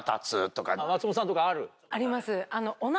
あります。